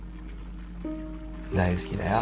大好きだよ